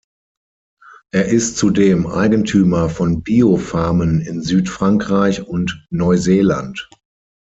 Er ist zudem Eigentümer von Bio-Farmen in Südfrankreich und Neuseeland.